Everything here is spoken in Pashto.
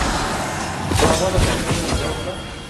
ډرامه د فلمونو مور ده